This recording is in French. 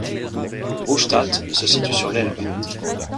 Rühstädt se situe sur l'Elbe.